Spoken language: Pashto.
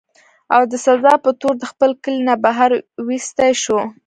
او د سزا پۀ طور د خپل کلي نه بهر اوويستی شو